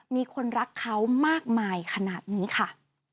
มีคนรักเขามากมายขนาดนี้ค่ะ